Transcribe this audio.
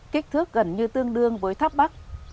kích thước gần như tương đương với tháp bắc